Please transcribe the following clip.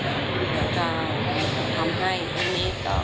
ตอนนี้ก็พบทำให้ตอนนี้ก็